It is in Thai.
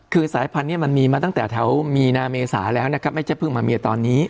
คือสายพันธุ์มันมาตั้งแต่แถวมีหน้าเมษาแล้วไม่ได้เพิ่งตอนนี้